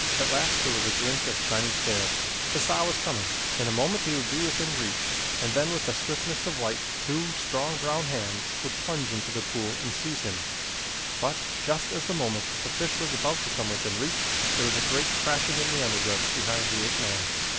At last there was a glint of shiny scales. Pisah was coming. In a moment he would be within reach and then with the swiftness of light two strong, brown hands would plunge into the pool and seize him, but, just at the moment that the fish was about to come within reach, there was a great crashing in the underbrush behind the ape man.